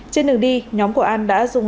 trên đường đi nhóm của an đã đi tìm thương